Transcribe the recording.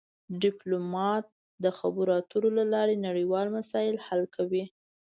ډیپلومات د خبرو اترو له لارې نړیوال مسایل حل کوي